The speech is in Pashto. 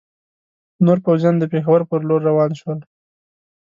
نور پوځیان د پېښور پر لور روان شول.